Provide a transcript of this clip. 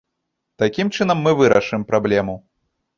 Такім чынам мы вырашым праблему.